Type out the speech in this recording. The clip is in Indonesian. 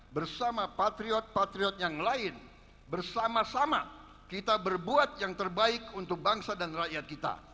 bersama patriot patriot yang lain bersama sama kita berbuat yang terbaik untuk bangsa dan rakyat kita